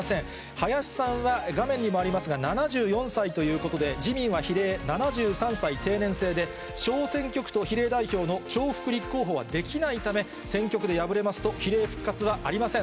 林さんは画面にもありますが、７４歳ということで、自民は比例、７３歳定年制で、小選挙区と比例代表の重複立候補はできないため、選挙区で敗れますと、比例復活はありません。